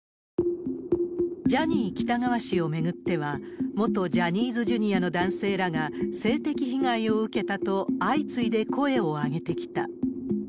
ジャニー喜多川氏を巡っては、元ジャニーズＪｒ．の男性らが性的被害を受けたと、相次いで声を上げてきた。